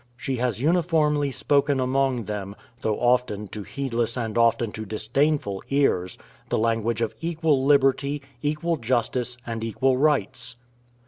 She has uniformly spoken among them, though often to heedless and often to disdainful ears, the language of equal liberty, equal justice, and equal rights.